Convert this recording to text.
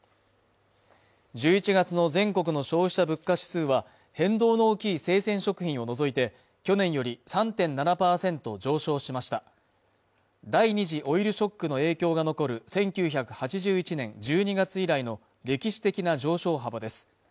１１月の全国の消費者物価指数は変動の大きい生鮮食品を除いて去年より３．７％上昇しました第２次オイルショックの影響が残る１９８１年１２月以来の歴史的な上昇幅です